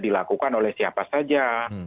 dilakukan oleh siapa saja